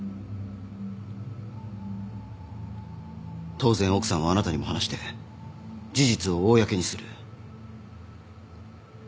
当然奥さんはあなたにも話して事実を公にする。